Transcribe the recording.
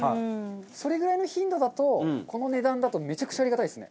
それぐらいの頻度だとこの値段だとめちゃくちゃありがたいですね。